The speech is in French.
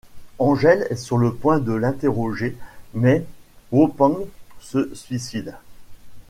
Angel est sur le point de l'interroger mais Wo-Pang se suicide.